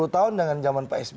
sepuluh tahun dengan jaman pak s b